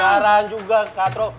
sekarang juga katro